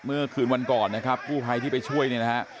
เมื่อคืนวันก่อนนะครับกู้ภัยที่ไปช่วยเนี่ยนะฮะ